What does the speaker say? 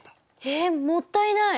えもったいない！